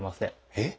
えっ？